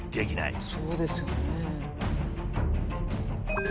そうですよね。